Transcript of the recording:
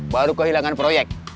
baru kehilangan proyek